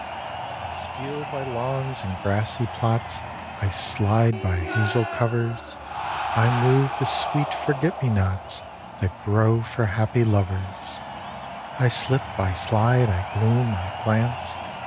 I steal by lawns and grassy plots, I slide by hazel covers; I move the sweet forget me nots That grow for happy lovers. I slip, I slide, I gloom, I glance.